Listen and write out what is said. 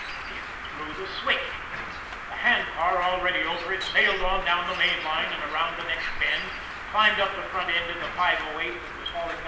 It threw the switch. The handcar, already over it, sailed on down the main line and around the next bend, climbed up the front end of the 508 that was hauling No.